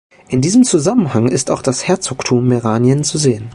In diesem Zusammenhang ist auch das Herzogtum Meranien zu sehen.